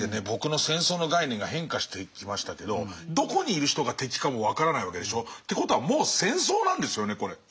僕の戦争の概念が変化してきましたけどどこにいる人が敵かも分からないわけでしょ。ってことはもう戦争なんですよねこれ。